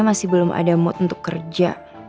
masih belum ada mood untuk kerja